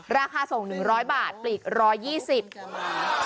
ราคาส่ง๑๐๐บาทปลีก๑๒๐บาท